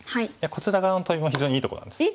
こちら側のトビも非常にいいところなんです。